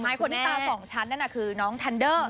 คนที่ตาสองชั้นนั่นน่ะคือน้องทันเดอร์